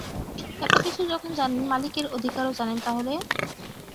এত কিছু যখন জানেন, মালিকের অধিকারও, জানেন তাহলে?